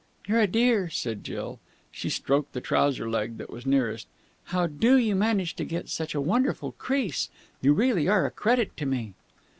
"You're a dear," said Jill. She stroked the trouser leg that was nearest. "How do you manage to get such a wonderful crease? You really are a credit to me!"